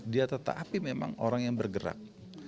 dia tetap api memang orang yang bergerak